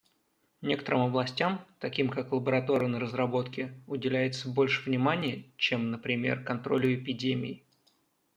Некоторым областям, таким как лабораторные разработки, уделяется больше внимания, чем, например, контролю эпидемий.